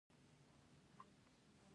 ته کوم کارونه په کور کې کوې؟